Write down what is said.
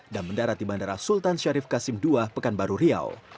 dan mendarat di bandara sultan syarif kasim ii pekanbaru riau